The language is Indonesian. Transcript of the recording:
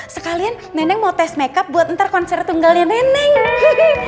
sekalian neneng mau tes makeup buat ntar konser tunggalnya neneng